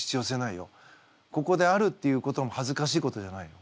ここであるっていうことも恥ずかしいことじゃないよ。